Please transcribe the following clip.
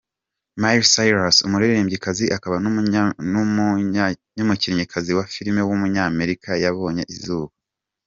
Miley Cyrus, umuririmbyikazi, akaba n’umukinnyikazi wa filime w’umunyamerika yabonye izuba.